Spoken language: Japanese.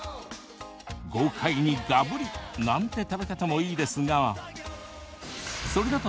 豪快に、がぶり！なんて食べ方もいいですがそれだと